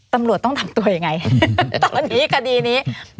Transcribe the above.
ตำรวจต้องทำตัวยังไงเดี๋ยวตอนนี้คดีนี้